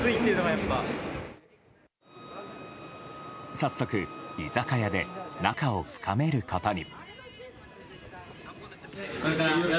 早速、居酒屋で仲を深めることに。